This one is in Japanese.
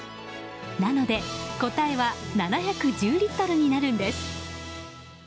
なので、答えは７１０リットルになるんです。